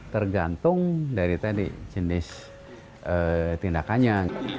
tergantung dari tadi jenis tindakannya